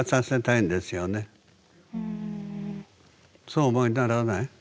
そうお思いにならない？